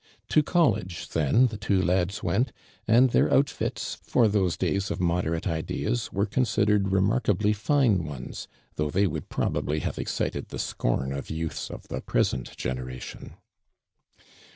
'I'o college then the two lads went, and their outHts, for tho.se day.s of modei'atc ideas, were con sidered remarkably fuio ones, though they would jiroliably have excited tlie scorn of youths oi' the present generation.